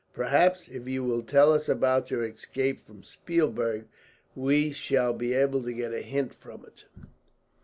"Perhaps if you will tell us about your escape from Spielberg, we shall be able to get a hint from it."